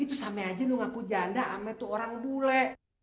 itu same aja tuh ngaku janda sama itu orang bule